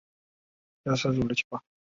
上深沟堡墓群的历史年代为汉代。